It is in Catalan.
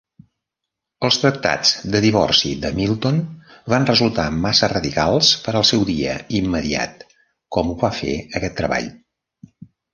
Els tractats de divorci de Milton van resultar massa radicals per al seu dia immediat, com ho va fer aquest treball.